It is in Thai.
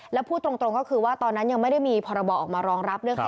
แล้วพูดตรงก็คือว่าตอนนั้นยังไม่ได้มีพรบออกมารองรับ